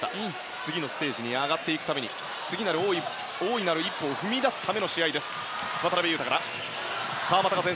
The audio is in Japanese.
次のステージに上がっていくために次なる大いなる一歩を踏み出すための試合です。